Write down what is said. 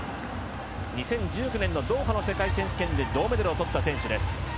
２０１９年ドーハの世界選手権で銅メダルをとった選手です。